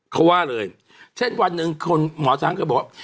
เขาว่าเลยเช่นวันหนึ่งคนหมอช้างก็บอกว่า